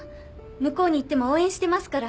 向こうに行っても応援してますから。